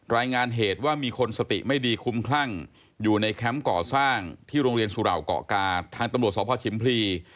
รายงานเหตุว่ามีคนสติไม่ดีคุ้มคลั่งอยู่ในแคมป์ก่อสร้างที่โรงเรียนสุเหล่าเกาะกาทางตำรวจสพชิมพลี